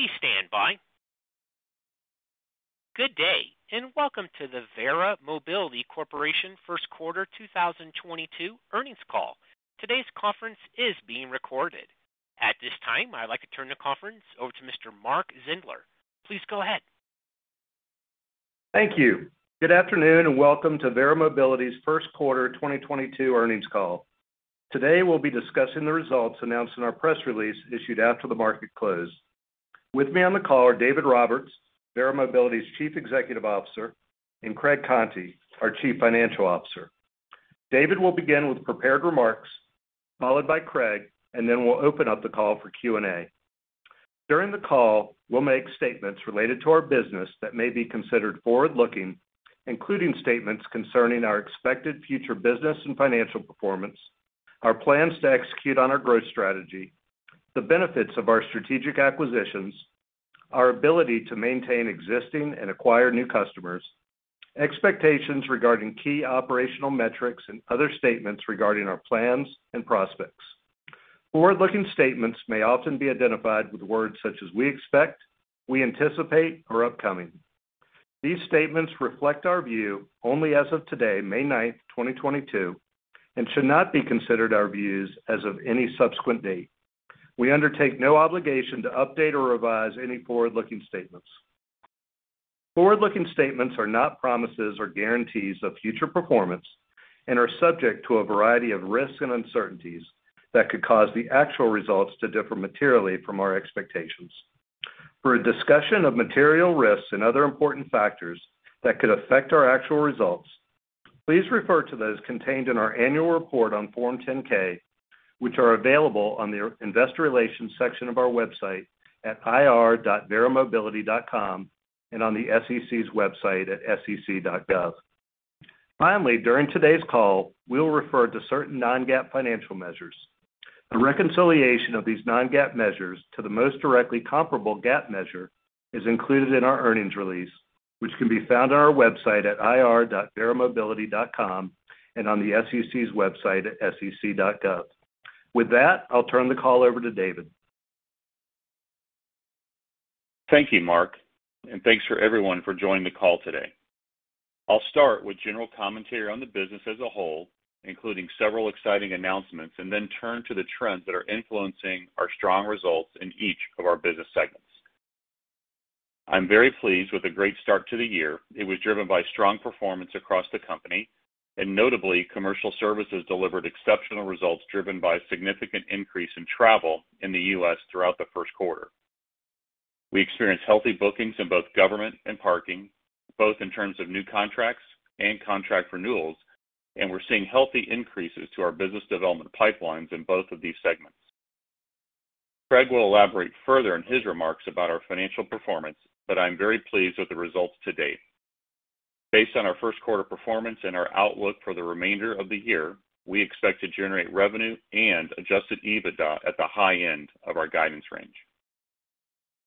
Please stand by. Good day, and welcome to the Verra Mobility Corporation First Quarter 2022 earnings call. Today's conference is being recorded. At this time, I'd like to turn the conference over to Mr. Mark Zindler. Please go ahead. Thank you. Good afternoon, and welcome to Verra Mobility's first quarter 2022 earnings call. Today, we'll be discussing the results announced in our press release issued after the market closed. With me on the call are David Roberts, Verra Mobility's Chief Executive Officer, and Craig Conti, our Chief Financial Officer. David will begin with prepared remarks, followed by Craig, and then we'll open up the call for Q&A. During the call, we'll make statements related to our business that may be considered forward-looking, including statements concerning our expected future business and financial performance, our plans to execute on our growth strategy, the benefits of our strategic acquisitions, our ability to maintain existing and acquire new customers, expectations regarding key operational metrics and other statements regarding our plans and prospects. Forward-looking statements may often be identified with words such as we expect, we anticipate or upcoming. These statements reflect our view only as of today, May ninth, 2022, and should not be considered our views as of any subsequent date. We undertake no obligation to update or revise any forward-looking statements. Forward-looking statements are not promises or guarantees of future performance and are subject to a variety of risks and uncertainties that could cause the actual results to differ materially from our expectations. For a discussion of material risks and other important factors that could affect our actual results, please refer to those contained in our annual report on Form 10-K, which are available on the investor relations section of our website at ir.verramobility.com and on the SEC's website at sec.gov. Finally, during today's call, we will refer to certain non-GAAP financial measures. A reconciliation of these non-GAAP measures to the most directly comparable GAAP measure is included in our earnings release, which can be found on our website at ir.verramobility.com and on the SEC's website at sec.gov. With that, I'll turn the call over to David. Thank you, Mark, and thanks for everyone for joining the call today. I'll start with general commentary on the business as a whole, including several exciting announcements, and then turn to the trends that are influencing our strong results in each of our business segments. I'm very pleased with the great start to the year. It was driven by strong performance across the company, and notably, commercial services delivered exceptional results driven by a significant increase in travel in the U.S. throughout the first quarter. We experienced healthy bookings in both government and parking, both in terms of new contracts and contract renewals, and we're seeing healthy increases to our business development pipelines in both of these segments. Craig will elaborate further in his remarks about our financial performance, but I'm very pleased with the results to date. Based on our first quarter performance and our outlook for the remainder of the year, we expect to generate revenue and adjusted EBITDA at the high end of our guidance range.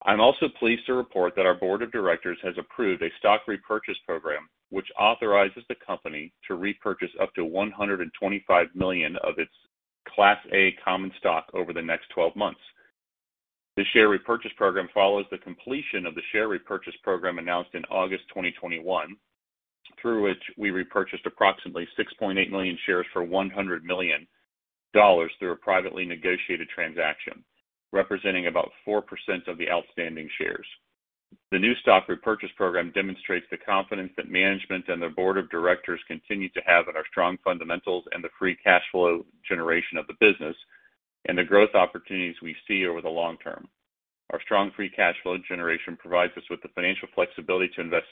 I'm also pleased to report that our board of directors has approved a stock repurchase program, which authorizes the company to repurchase up to $125 million of its Class A common stock over the next 12 months. The share repurchase program follows the completion of the share repurchase program announced in August 2021, through which we repurchased approximately 6.8 million shares for $100 million through a privately negotiated transaction, representing about 4% of the outstanding shares. The new stock repurchase program demonstrates the confidence that management and the board of directors continue to have in our strong fundamentals and the free cash flow generation of the business and the growth opportunities we see over the long term. Our strong free cash flow generation provides us with the financial flexibility to invest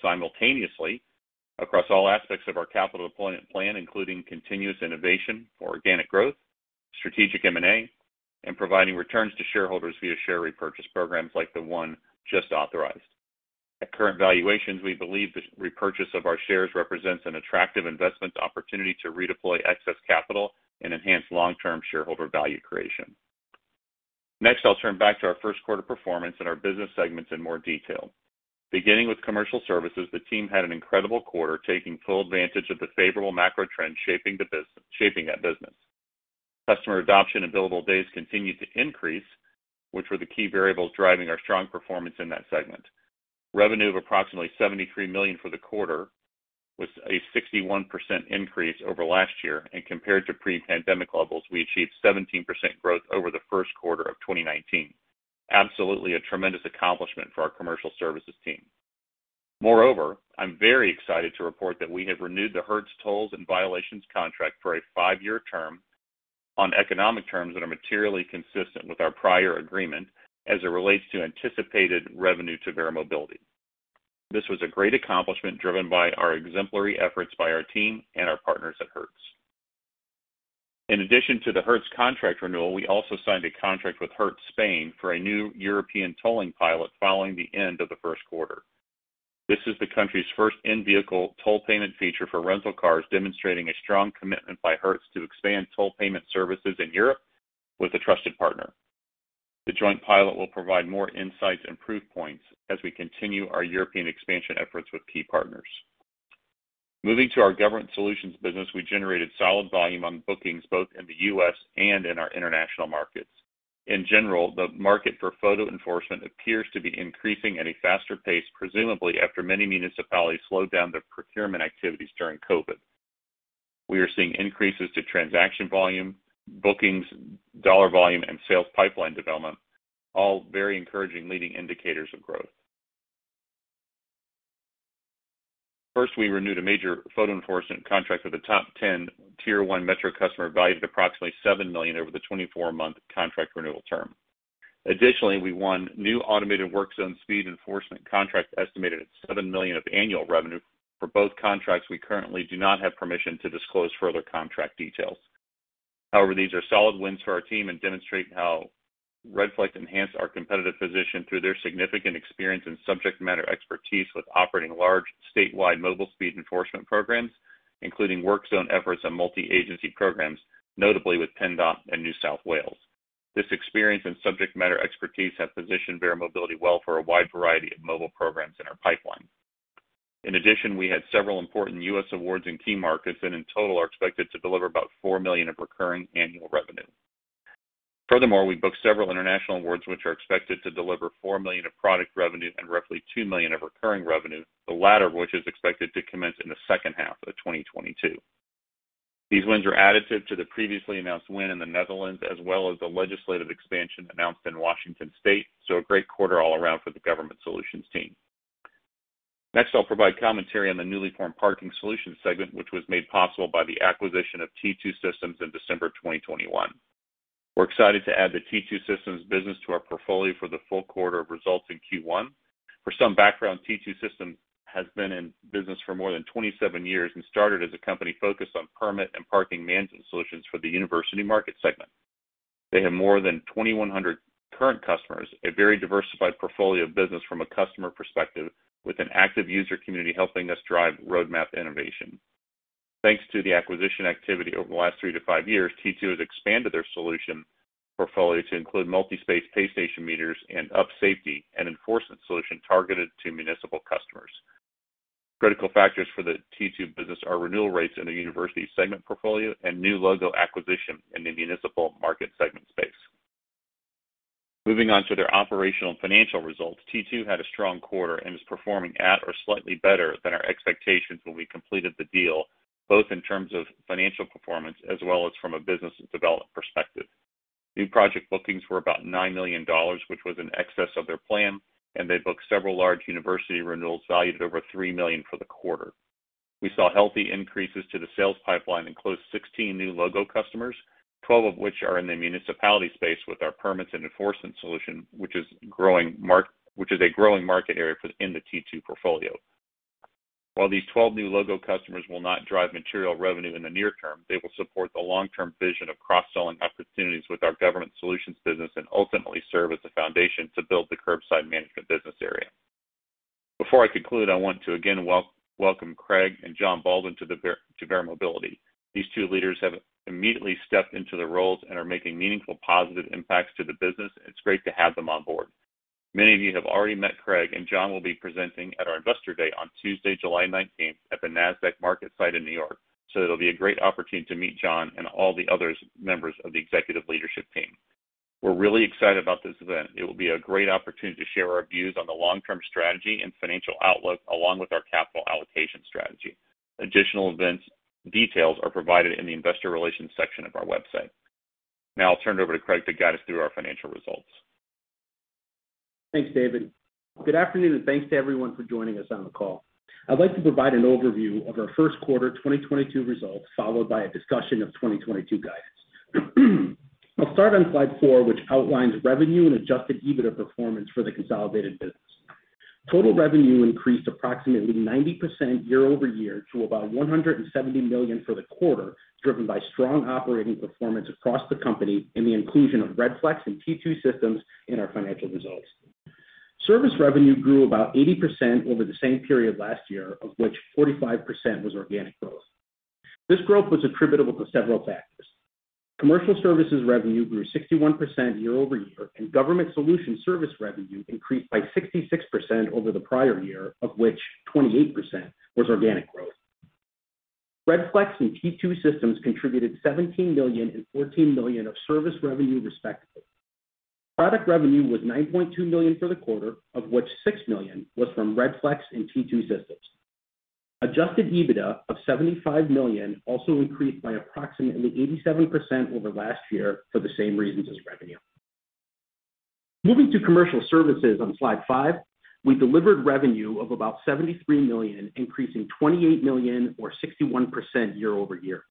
simultaneously across all aspects of our capital deployment plan, including continuous innovation for organic growth, strategic M&A, and providing returns to shareholders via share repurchase programs like the one just authorized. At current valuations, we believe the repurchase of our shares represents an attractive investment opportunity to redeploy excess capital and enhance long-term shareholder value creation. Next, I'll turn back to our first quarter performance and our business segments in more detail. Beginning with commercial services, the team had an incredible quarter, taking full advantage of the favorable macro trends shaping that business. Customer adoption and billable days continued to increase, which were the key variables driving our strong performance in that segment. Revenue of approximately $73 million for the quarter was a 61% increase over last year. Compared to pre-pandemic levels, we achieved 17% growth over the first quarter of 2019. Absolutely a tremendous accomplishment for our commercial services team. Moreover, I'm very excited to report that we have renewed the Hertz tolls and violations contract for a five-year term on economic terms that are materially consistent with our prior agreement as it relates to anticipated revenue to Verra Mobility. This was a great accomplishment driven by our exemplary efforts by our team and our partners at Hertz. In addition to the Hertz contract renewal, we also signed a contract with Hertz Spain for a new European tolling pilot following the end of the first quarter. This is the country's first in-vehicle toll payment feature for rental cars, demonstrating a strong commitment by Hertz to expand toll payment services in Europe with a trusted partner. The joint pilot will provide more insights and proof points as we continue our European expansion efforts with key partners. Moving to our government solutions business, we generated solid volume on bookings both in the U.S. and in our international markets. In general, the market for photo enforcement appears to be increasing at a faster pace, presumably after many municipalities slowed down their procurement activities during COVID. We are seeing increases to transaction volume, bookings, dollar volume, and sales pipeline development, all very encouraging leading indicators of growth. First, we renewed a major photo enforcement contract with a top 10 tier-one metro customer valued at approximately $7 million over the 24-month contract renewal term. Additionally, we won new automated work zone speed enforcement contracts estimated at $7 million of annual revenue. For both contracts, we currently do not have permission to disclose further contract details. However, these are solid wins for our team and demonstrate how Redflex enhanced our competitive position through their significant experience and subject matter expertise with operating large statewide mobile speed enforcement programs, including work zone efforts and multi-agency programs, notably with PennDOT and New South Wales. This experience and subject matter expertise have positioned Verra Mobility well for a wide variety of mobile programs in our pipeline. In addition, we had several important U.S. awards in key markets and in total are expected to deliver about $4 million of recurring annual revenue. Furthermore, we booked several international awards, which are expected to deliver $4 million of product revenue and roughly $2 million of recurring revenue, the latter of which is expected to commence in the second half of 2022. These wins are additive to the previously announced win in the Netherlands, as well as the legislative expansion announced in Washington state. A great quarter all around for the government solutions team. Next, I'll provide commentary on the newly formed parking solutions segment, which was made possible by the acquisition of T2 Systems in December of 2021. We're excited to add the T2 Systems business to our portfolio for the full quarter of results in Q1. For some background, T2 Systems has been in business for more than 27 years and started as a company focused on permit and parking management solutions for the university market segment. They have more than 2,100 current customers, a very diversified portfolio of business from a customer perspective, with an active user community helping us drive roadmap innovation. Thanks to the acquisition activity over the last three to five years, T2 has expanded their solution portfolio to include multi-space pay station meters and UPsafety and enforcement solution targeted to municipal customers. Critical factors for the T2 business are renewal rates in the university segment portfolio and new logo acquisition in the municipal market segment space. Moving on to their operational and financial results, T2 had a strong quarter and is performing at or slightly better than our expectations when we completed the deal, both in terms of financial performance as well as from a business development perspective. New project bookings were about $9 million, which was in excess of their plan, and they booked several large university renewals valued at over $3 million for the quarter. We saw healthy increases to the sales pipeline and closed 16 new logo customers, 12 of which are in the municipality space with our permits and enforcement solution, which is a growing market area within the T2 portfolio. While these 12 new logo customers will not drive material revenue in the near term, they will support the long-term vision of cross-selling opportunities with our government solutions business and ultimately serve as the foundation to build the curbside management business area. Before I conclude, I want to again welcome Craig and Jon Baldwin to Verra Mobility. These two leaders have immediately stepped into the roles and are making meaningful positive impacts to the business. It's great to have them on board. Many of you have already met Craig, and Jon will be presenting at our Investor Day on Tuesday, July 19 at the Nasdaq MarketSite in New York. It'll be a great opportunity to meet Jon and all the other members of the executive leadership team. We're really excited about this event. It will be a great opportunity to share our views on the long-term strategy and financial outlook along with our capital allocation strategy. Additional event details are provided in the investor relations section of our website. Now I'll turn it over to Craig to guide us through our financial results. Thanks, David. Good afternoon, and thanks to everyone for joining us on the call. I'd like to provide an overview of our first quarter 2022 results, followed by a discussion of 2022 guidance. I'll start on slide four, which outlines revenue and adjusted EBITDA performance for the consolidated business. Total revenue increased approximately 90% year-over-year to about $170 million for the quarter, driven by strong operating performance across the company and the inclusion of Redflex and T2 Systems in our financial results. Service revenue grew about 80% over the same period last year, of which 45% was organic growth. This growth was attributable to several factors. Commercial services revenue grew 61% year-over-year, and government solution service revenue increased by 66% over the prior year, of which 28% was organic growth. Redflex and T2 Systems contributed $17 million and $14 million of service revenue respectively. Product revenue was $9.2 million for the quarter, of which $6 million was from Redflex and T2 Systems. Adjusted EBITDA of $75 million also increased by approximately 87% over last year for the same reasons as revenue. Moving to commercial services on slide five, we delivered revenue of about $73 million, increasing $28 million or 61% year-over-year.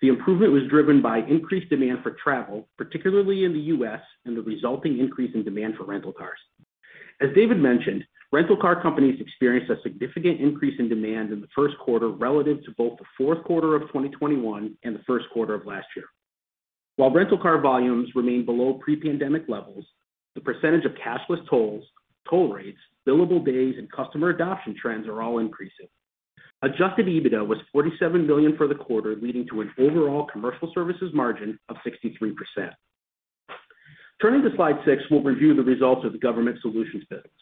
The improvement was driven by increased demand for travel, particularly in the U.S., and the resulting increase in demand for rental cars. As David mentioned, rental car companies experienced a significant increase in demand in the first quarter relative to both the fourth quarter of 2021 and the first quarter of last year. While rental car volumes remain below pre-pandemic levels, the percentage of cashless tolls, toll rates, billable days, and customer adoption trends are all increasing. Adjusted EBITDA was $47 million for the quarter, leading to an overall commercial services margin of 63%. Turning to slide six, we'll review the results of the Government Solutions business.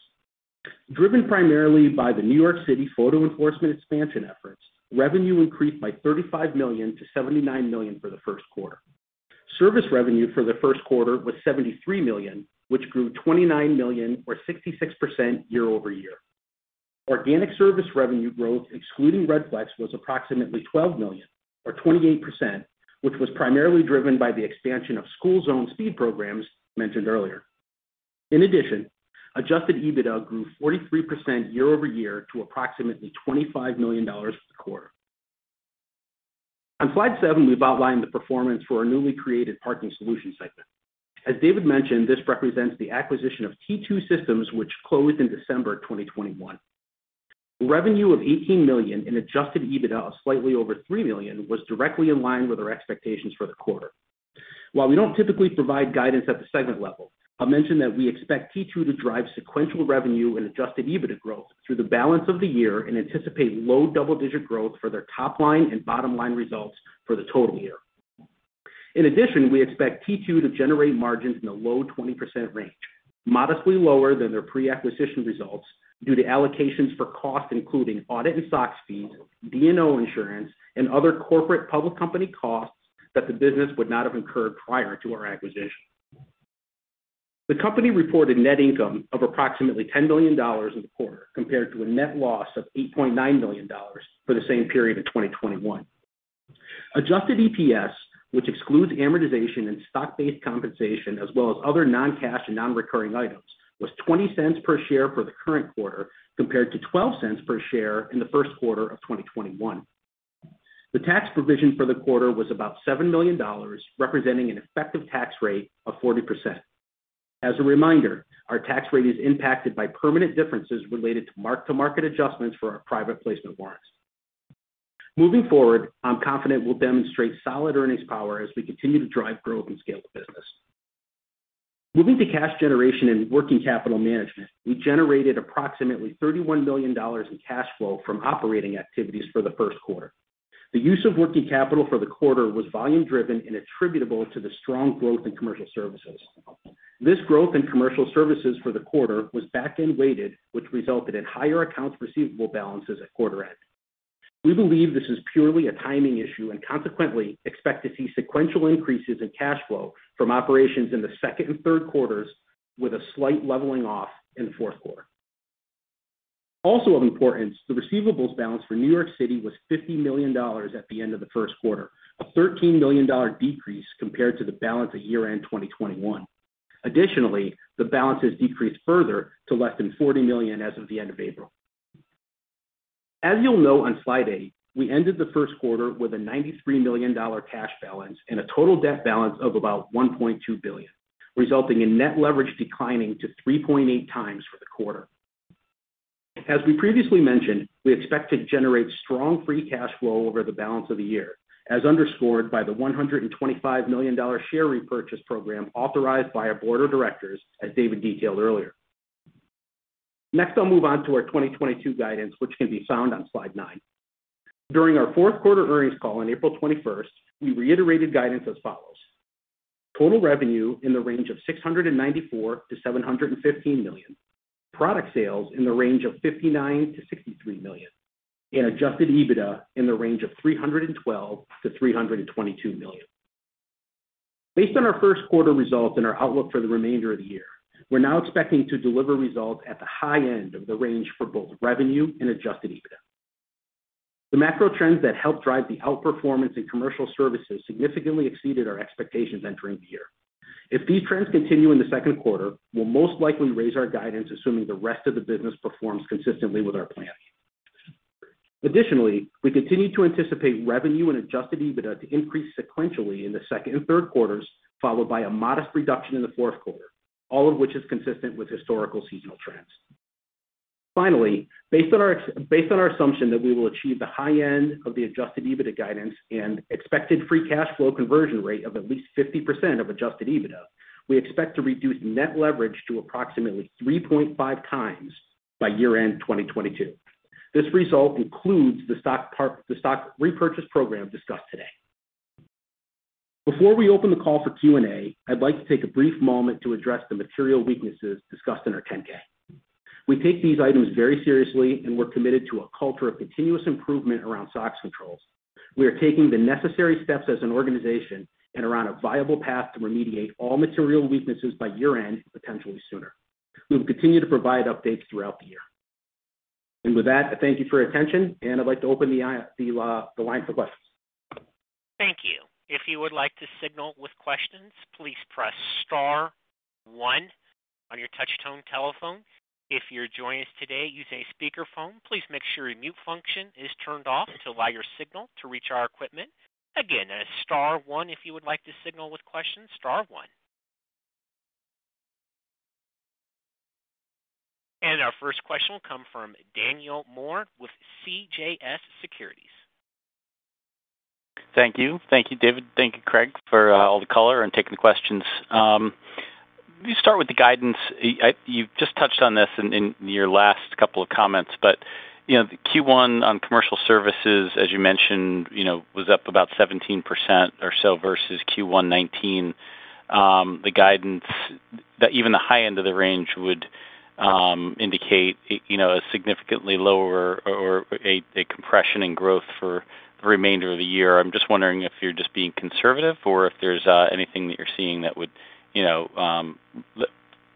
Driven primarily by the New York City photo enforcement expansion efforts, revenue increased by $35 million to $79 million for the first quarter. Service revenue for the first quarter was $73 million, which grew $29 million or 66% year-over-year. Organic service revenue growth excluding Redflex was approximately $12 million or 28%, which was primarily driven by the expansion of school zone speed programs mentioned earlier. In addition, adjusted EBITDA grew 43% year-over-year to approximately $25 million for the quarter. On slide seven, we've outlined the performance for our newly created Parking Solution segment. As David mentioned, this represents the acquisition of T2 Systems, which closed in December 2021. Revenue of $18 million and adjusted EBITDA of slightly over $3 million was directly in line with our expectations for the quarter. While we don't typically provide guidance at the segment level, I'll mention that we expect T2 to drive sequential revenue and adjusted EBITDA growth through the balance of the year and anticipate low double-digit growth for their top line and bottom line results for the total year. In addition, we expect T2 to generate margins in the low 20% range, modestly lower than their pre-acquisition results due to allocations for costs including audit and SOX fees, D&O insurance, and other corporate public company costs that the business would not have incurred prior to our acquisition. The company reported net income of approximately $10 million in the quarter compared to a net loss of $8.9 million for the same period in 2021. Adjusted EPS, which excludes amortization and stock-based compensation as well as other non-cash and non-recurring items, was $0.20 per share for the current quarter compared to $0.12 per share in the first quarter of 2021. The tax provision for the quarter was about $7 million, representing an effective tax rate of 40%. As a reminder, our tax rate is impacted by permanent differences related to mark-to-market adjustments for our private placement warrants. Moving forward, I'm confident we'll demonstrate solid earnings power as we continue to drive growth and scale the business. Moving to cash generation and working capital management, we generated approximately $31 million in cash flow from operating activities for the first quarter. The use of working capital for the quarter was volume driven and attributable to the strong growth in commercial services. This growth in commercial services for the quarter was back-end weighted, which resulted in higher accounts receivable balances at quarter end. We believe this is purely a timing issue and consequently expect to see sequential increases in cash flow from operations in the second and third quarters, with a slight leveling off in the fourth quarter. Also of importance, the receivables balance for New York City was $50 million at the end of the first quarter, a $13 million decrease compared to the balance at year-end 2021. Additionally, the balance has decreased further to less than $40 million as of the end of April. As you'll note on slide eight, we ended the first quarter with a $93 million cash balance and a total debt balance of about $1.2 billion, resulting in net leverage declining to 3.8x for the quarter. As we previously mentioned, we expect to generate strong free cash flow over the balance of the year, as underscored by the $125 million share repurchase program authorized by our board of directors, as David detailed earlier. Next, I'll move on to our 2022 guidance, which can be found on slide nine. During our fourth quarter earnings call on April 21st, we reiterated guidance as follows: Total revenue in the range of $694 million-$715 million. Product sales in the range of $59 million-$63 million. Adjusted EBITDA in the range of $312 million-$322 million. Based on our first quarter results and our outlook for the remainder of the year, we're now expecting to deliver results at the high end of the range for both revenue and adjusted EBITDA. The macro trends that helped drive the outperformance in commercial services significantly exceeded our expectations entering the year. If these trends continue in the second quarter, we'll most likely raise our guidance, assuming the rest of the business performs consistently with our plan. Additionally, we continue to anticipate revenue and adjusted EBITDA to increase sequentially in the second and third quarters, followed by a modest reduction in the fourth quarter, all of which is consistent with historical seasonal trends. Finally, based on our assumption that we will achieve the high end of the adjusted EBITDA guidance and expected free cash flow conversion rate of at least 50% of adjusted EBITDA, we expect to reduce net leverage to approximately 3.5x by year-end 2022. This result includes the stock repurchase program discussed today. Before we open the call for Q&A, I'd like to take a brief moment to address the material weaknesses discussed in our 10-K. We take these items very seriously, and we're committed to a culture of continuous improvement around SOX controls. We are taking the necessary steps as an organization and are on a viable path to remediate all material weaknesses by year-end, potentially sooner. We will continue to provide updates throughout the year. With that, I thank you for your attention, and I'd like to open the line for questions. Thank you. If you would like to signal with questions, please press star one on your touch tone telephone. If you're joining us today using a speakerphone, please make sure your mute function is turned off to allow your signal to reach our equipment. Again, star one if you would like to signal with questions, star one. Our first question will come from Daniel Moore with CJS Securities. Thank you. Thank you, David. Thank you, Craig, for all the color and taking the questions. Let me start with the guidance. You've just touched on this in your last couple of comments, but You know, the Q1 on commercial services, as you mentioned, you know, was up about 17% or so versus Q1 2019. The guidance, even the high end of the range would indicate, you know, a significantly lower or a compression in growth for the remainder of the year. I'm just wondering if you're just being conservative or if there's anything that you're seeing that would, you know,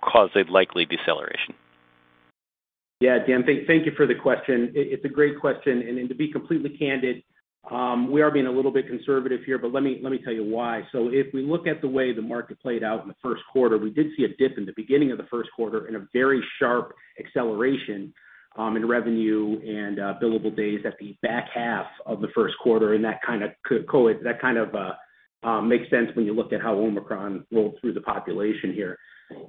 cause a likely deceleration. Yeah. Dan, thank you for the question. It's a great question. To be completely candid, we are being a little bit conservative here, but let me tell you why. If we look at the way the market played out in the first quarter, we did see a dip in the beginning of the first quarter and a very sharp acceleration in revenue and billable days at the back half of the first quarter. That kind of makes sense when you look at how OMICRON rolled through the population here.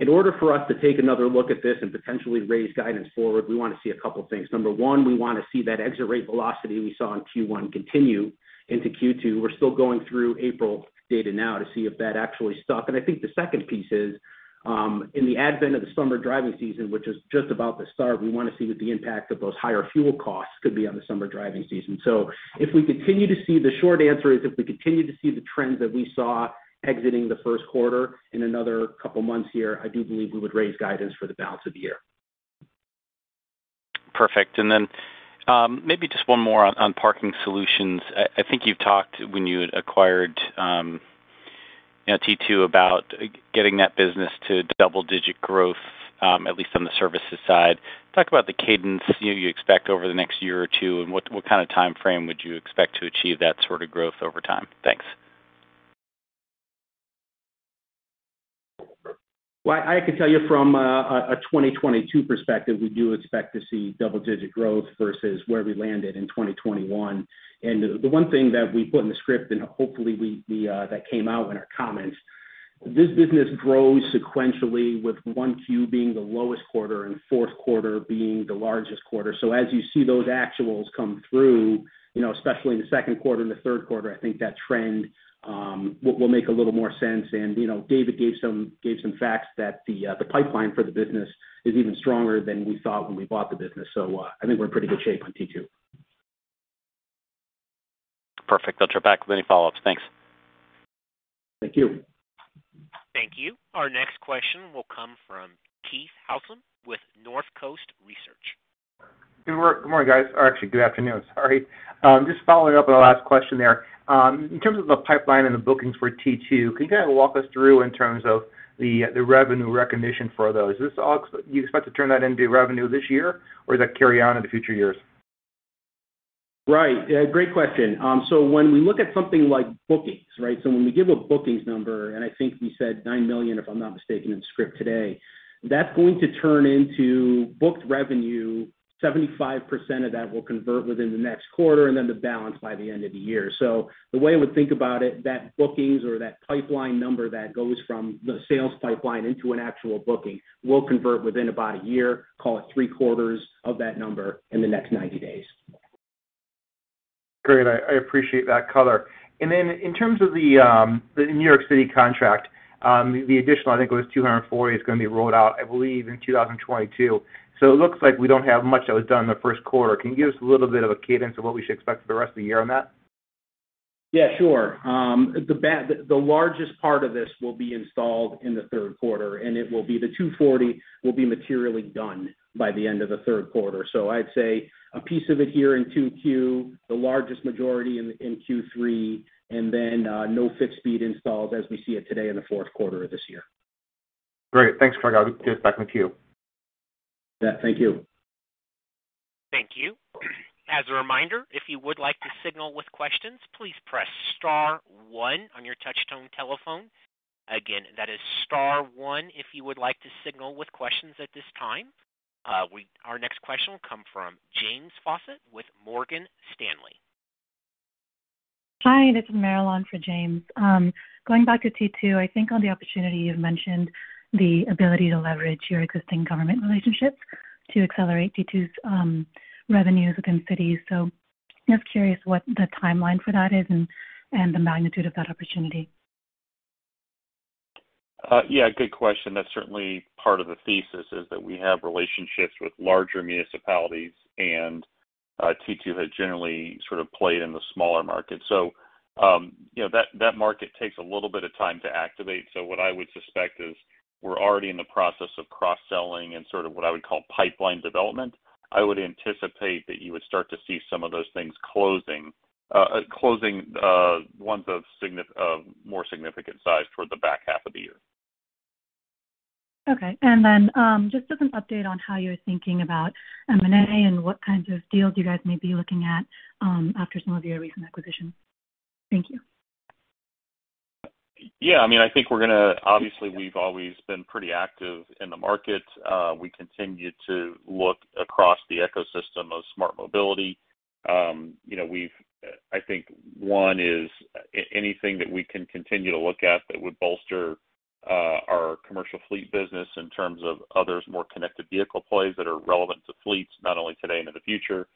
In order for us to take another look at this and potentially raise guidance forward, we wanna see a couple things. Number one, we wanna see that exit rate velocity we saw in Q1 continue into Q2. We're still going through April data now to see if that actually stuck. I think the second piece is, in the event of the summer driving season, which is just about to start, we wanna see what the impact of those higher fuel costs could be on the summer driving season. The short answer is if we continue to see the trends that we saw exiting the first quarter in another couple months here, I do believe we would raise guidance for the balance of the year. Perfect. Maybe just one more on parking solutions. I think you've talked when you had acquired T2 about getting that business to double-digit growth, at least from the services side. Talk about the cadence you expect over the next year or two, and what kind of timeframe would you expect to achieve that sort of growth over time? Thanks. I could tell you from a 2022 perspective, we do expect to see double digit growth versus where we landed in 2021. The one thing that we put in the script, and hopefully that came out in our comments, this business grows sequentially with Q1 being the lowest quarter and fourth quarter being the largest quarter. As you see those actuals come through, you know, especially in the second quarter and the third quarter, I think that trend will make a little more sense. You know, David gave some facts that the pipeline for the business is even stronger than we thought when we bought the business. I think we're in pretty good shape on T2. Perfect. I'll check back with any follow-ups. Thanks. Thank you. Thank you. Our next question will come from Keith Housum with Northcoast Research. Good morning, guys. Or actually good afternoon. Sorry. Just following up on the last question there. In terms of the pipeline and the bookings for T2, can you kind of walk us through in terms of the revenue recognition for those? Is this all you expect to turn that into revenue this year, or does that carry on into future years? Right. Yeah, great question. When we look at something like bookings, right? When we give a bookings number, and I think we said $9 million, if I'm not mistaken in script today, that's going to turn into booked revenue. 75% of that will convert within the next quarter, and then the balance by the end of the year. The way I would think about it, that bookings or that pipeline number that goes from the sales pipeline into an actual booking will convert within about a year, call it three-quarters of that number in the next 90 days. Great. I appreciate that color. In terms of the New York City contract, the additional, I think it was 240 is gonna be rolled out, I believe, in 2022. It looks like we don't have much that was done in the first quarter. Can you give us a little bit of a cadence of what we should expect for the rest of the year on that? The largest part of this will be installed in the third quarter, and it will be the 240 will be materially done by the end of the third quarter. I'd say a piece of it here in 2Q, the largest majority in Q3, and then no fixed fee installed as we see it today in the fourth quarter of this year. Great. Thanks, Craig. I'll get back in the queue. Yeah. Thank you. Thank you. As a reminder, if you would like to signal with questions, please press star one on your touch tone telephone. Again, that is star one if you would like to signal with questions at this time. Our next question will come from James Faucette with Morgan Stanley. Hi, this is Marilyn for James. Going back to T2, I think on the opportunity, you've mentioned the ability to leverage your existing government relationships to accelerate T2's revenues within cities. Just curious what the timeline for that is and the magnitude of that opportunity. Yeah, good question. That's certainly part of the thesis is that we have relationships with larger municipalities, and T2 had generally sort of played in the smaller markets. You know, that market takes a little bit of time to activate. What I would suspect is we're already in the process of cross-selling and sort of what I would call pipeline development. I would anticipate that you would start to see some of those things closing ones of more significant size toward the back half of the year. Okay. Just as an update on how you're thinking about M&A and what kinds of deals you guys may be looking at, after some of your recent acquisitions. Thank you. Yeah. I mean, I think we're gonna, obviously, we've always been pretty active in the market. We continue to look across the ecosystem of smart mobility. You know, I think one is anything that we can continue to look at that would bolster our commercial fleet business in terms of others, more connected vehicle plays that are relevant to fleets, not only today and in the future.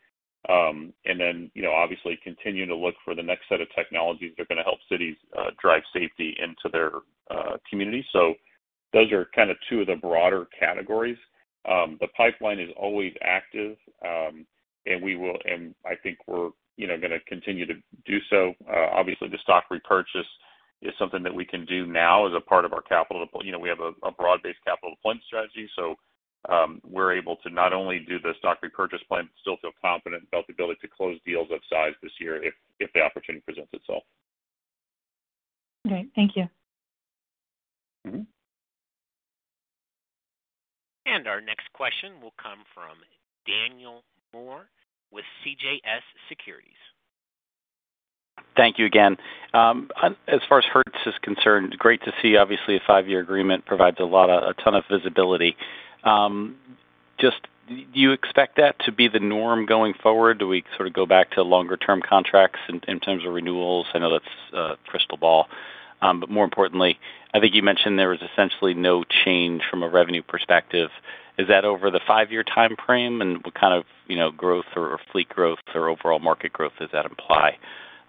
Then, you know, obviously continuing to look for the next set of technologies that are gonna help cities drive safety into their communities. So those are kind of two of the broader categories. The pipeline is always active, and I think we're, you know, gonna continue to do so. Obviously the stock repurchase is something that we can do now as a part of our capital deployment. You know, we have a broad-based capital deployment strategy, so we're able to not only do the stock repurchase plan but still feel confident about the ability to close deals of size this year if the opportunity presents itself. Okay. Thank you. Mm-hmm. Our next question will come from Daniel Moore with CJS Securities. Thank you again. As far as Hertz is concerned, great to see obviously a five-year agreement provides a ton of visibility. Just do you expect that to be the norm going forward? Do we sort of go back to longer term contracts in terms of renewals? I know that's a crystal ball, but more importantly, I think you mentioned there is essentially no change from a revenue perspective. Is that over the five-year timeframe? What kind of, you know, growth or fleet growth or overall market growth does that imply?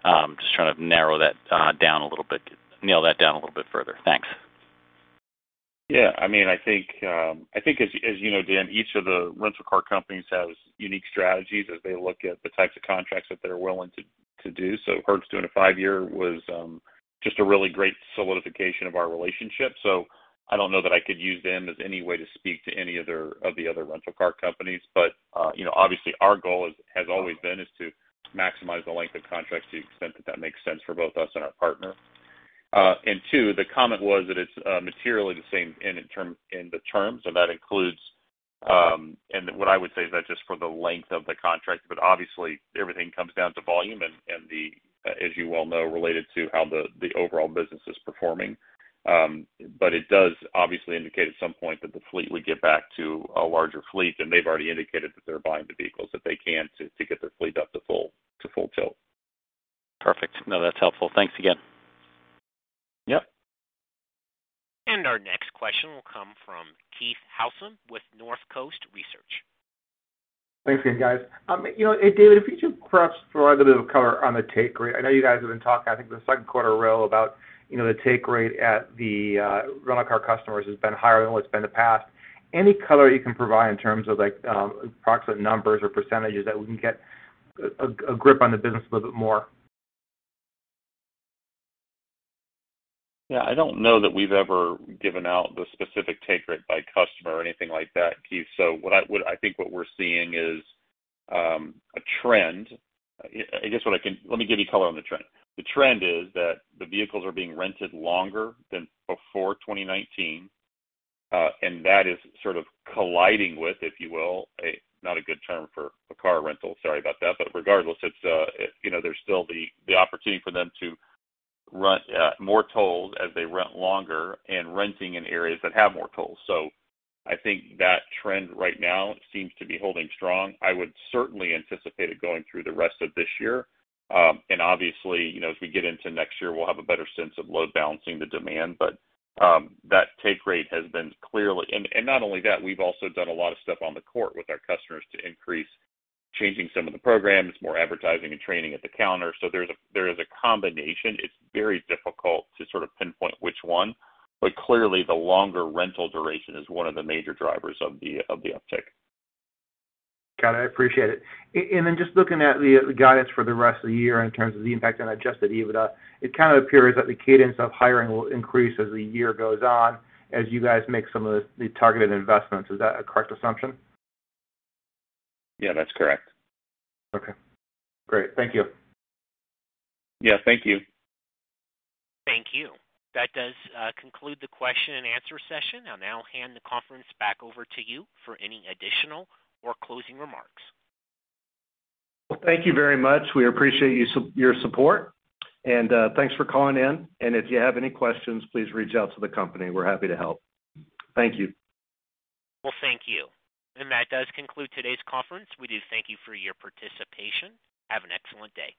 Just trying to narrow that down a little bit, nail that down a little bit further. Thanks. Yeah. I mean, I think as you know, Dan, each of the rental car companies has unique strategies as they look at the types of contracts that they're willing to do. Hertz doing a five-year was just a really great solidification of our relationship. I don't know that I could use them as any way to speak to any other rental car companies. You know, obviously our goal has always been to maximize the length of contracts to the extent that makes sense for both us and our partner. Too, the comment was that it's materially the same in the terms, and that includes what I would say is that just for the length of the contract. Obviously everything comes down to volume and the, as you well know, related to how the overall business is performing. It does obviously indicate at some point that the fleet would get back to a larger fleet, and they've already indicated that they're buying the vehicles that they can to get their fleet up to full tilt. Perfect. No, that's helpful. Thanks again. Yep. Our next question will come from Keith Housum with Northcoast Research. Thanks again, guys. You know, David, if you could perhaps provide a bit of color on the take rate. I know you guys have been talking, I think the second quarter in a row about, you know, the take rate at the rental car customers has been higher than what it's been in the past. Any color you can provide in terms of like, approximate numbers or percentages that we can get a grip on the business a little bit more? Yeah. I don't know that we've ever given out the specific take rate by customer or anything like that, Keith. What I think we're seeing is a trend. I guess what I can. Let me give you color on the trend. The trend is that the vehicles are being rented longer than before 2019, and that is sort of colliding with, if you will, a not a good term for a car rental, sorry about that. Regardless, it's, you know, there's still the opportunity for them to rent more tolls as they rent longer and renting in areas that have more tolls. I think that trend right now seems to be holding strong. I would certainly anticipate it going through the rest of this year. Obviously, you know, as we get into next year, we'll have a better sense of load balancing the demand. That take rate has been clearly. Not only that, we've also done a lot of stuff on the court with our customers to increase changing some of the programs, more advertising and training at the counter. There is a combination. It's very difficult to sort of pinpoint which one. Clearly, the longer rental duration is one of the major drivers of the uptick. Got it. I appreciate it. Just looking at the guidance for the rest of the year in terms of the impact on adjusted EBITDA, it kind of appears that the cadence of hiring will increase as the year goes on as you guys make some of the targeted investments. Is that a correct assumption? Yeah, that's correct. Okay, great. Thank you. Yeah, thank you. Thank you. That does conclude the question and answer session. I'll now hand the conference back over to you for any additional or closing remarks. Well, thank you very much. We appreciate your support, and thanks for calling in. If you have any questions, please reach out to the company. We're happy to help. Thank you. Well, thank you. That does conclude today's conference. We do thank you for your participation. Have an excellent day.